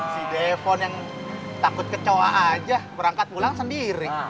si defon yang takut kecoa aja berangkat pulang sendiri